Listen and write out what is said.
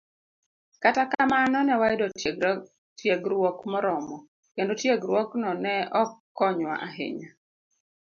Kata kamano, ne wayudo tiegruok moromo, kendo tiegruokno ne ok konywa ahinya